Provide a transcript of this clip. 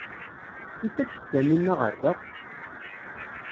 I tas-d Taninna ɣer da?